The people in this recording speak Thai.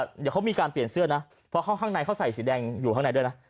เดี๋ยวเขามีการเปลี่ยนเสื้อนะเพราะเขาข้างในเขาใส่สีแดงอยู่ข้างในด้วยนะ